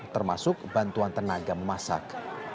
termasuk bantuan tenaga memasak